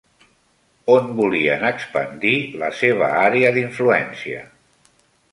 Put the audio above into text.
On volien expandir la seva àrea d'influència?